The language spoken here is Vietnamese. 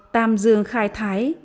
tam dương khai thái